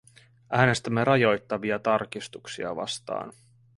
Äänestämme rajoittavia tarkistuksia vastaan.